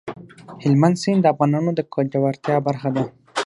هلمند سیند د افغانانو د ګټورتیا برخه ده.